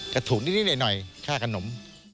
ก็ถูกนิดนี้หน่อยถ้าการหนม